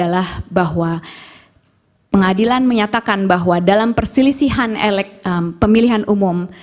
karena pengadilan menyatakan bahwa dalam perselisihan pemilihan umum